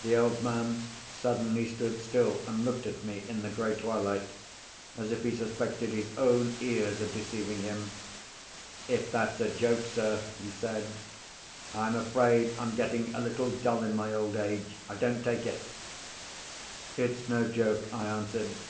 The old man suddenly stood still, and looked at me in the grey twilight as if he suspected his own ears of deceiving him. "If that's a joke, sir," he said, "I'm afraid I'm getting a little dull in my old age. I don't take it." "It's no joke," I answered.